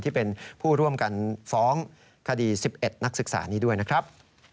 ที่เป็นผู้ร่วมกันฟ้องคดี๑๑นักศึกษานี้ด้วยนะครับ